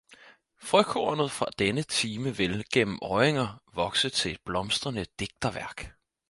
Frøkornet fra denne time vil, gennem åringer, vokse til et blomstrende digterværk